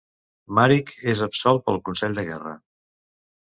Maryk és absolt pel consell de guerra.